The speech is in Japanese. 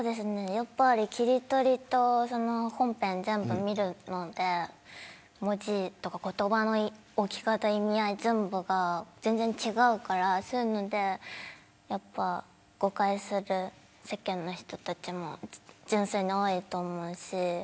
やっぱり切り取りと本編を全部見るので言葉の置き方、意味合い全部が全然違うから、そういうので誤解する世間の人たちも純粋に多いと思うし。